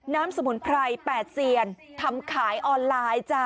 สมุนไพร๘เซียนทำขายออนไลน์จ้ะ